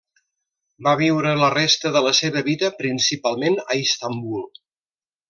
Va viure la resta de la seva vida principalment a Istanbul.